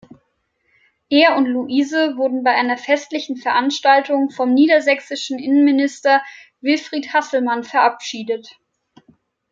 Er und Luise wurden bei einer festlichen Veranstaltung vom niedersächsischen Innenminister Wilfried Hasselmann verabschiedet.